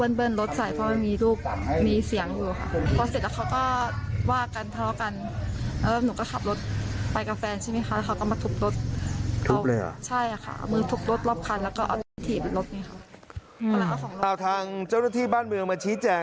เอาทางเจ้าหน้าที่บ้านเมืองมาชี้แจง